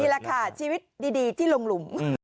แหละค่ะชีวิตดีที่ลงหลุม